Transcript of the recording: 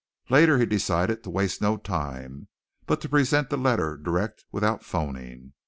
Later he decided to waste no time, but to present the letter direct without phoning.